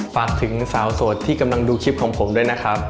ฝากถึงสาวโสดที่กำลังดูคลิปของผมด้วยนะครับ